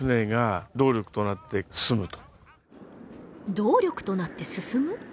動力となって進む？